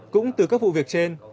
cũng từ các vụ việc trên